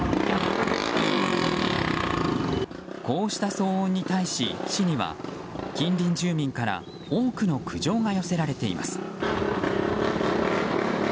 こうした騒音に対し、市には近隣住民から多くの苦情が寄せられています。